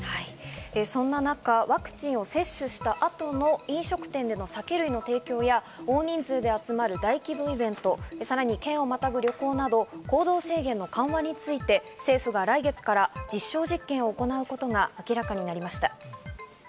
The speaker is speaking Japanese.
そんな中、ワクチンを接種した後の飲食店での酒類の提供や、大人数で集まる大規模イベント、さらに県をまたぐ旅行など、行動制限の緩和について政府が来月から実証実験を行うことが明らかになりました。